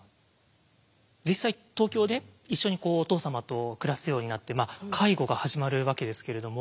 実際東京で一緒にお父様と暮らすようになって介護が始まるわけですけれども。